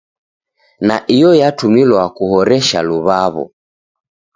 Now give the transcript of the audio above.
Na iyo yatumilwa kuhoresha luw'aw'o.